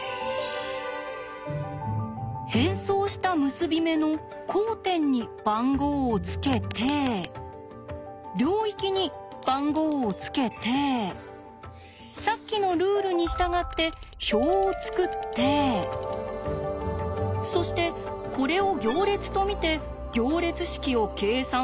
変装した結び目の交点に番号をつけて領域に番号をつけてさっきのルールに従って表を作ってそしてこれを行列と見て行列式を計算すると。